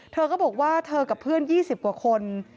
เธอก็บอกว่าเธอกับเพื่อน๒๐กว่าคน